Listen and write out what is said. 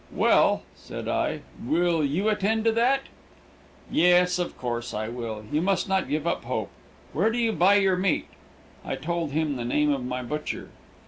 "Well," said I, "will you attend to that?" "Yes, of course I will. You must not give up hope. Where do you buy your meat?" I told him the name of my butcher.